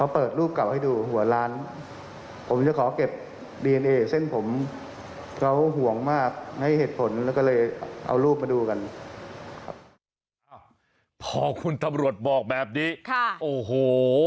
พอคุณทำลวดบอกแบบนี้ค่ะโอ้โห